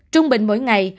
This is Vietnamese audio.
trung bình mỗi ngày